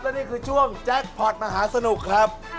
และนี่คือช่วงแจ็คพอร์ตมหาสนุกครับ